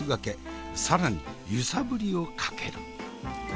更に揺さぶりをかける。